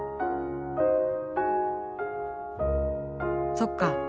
そっか。